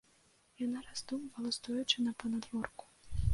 Яна раздумвала, стоячы на панадворку.